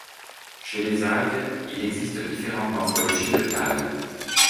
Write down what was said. Chez les algues, il existe différentes morphologies de thalles.